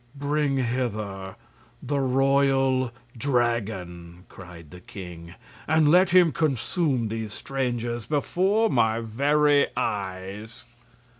"Bring hither the Royal Dragon," cried the king, "and let him consume these strangers before my very eyes!"